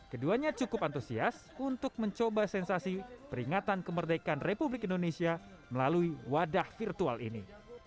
keduanya cukup antusias untuk mencoba sensasi peringatan kemerdekaan republik indonesia melalui wadah virtual ini